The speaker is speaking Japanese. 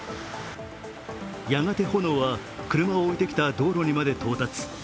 やがて炎は車を置いてきた道路にまで到達。